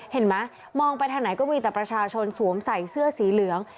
เห็นไหมมองไปทางไหนก็มีแต่ประชาชนสวมใส่เสื้อสีเหลือง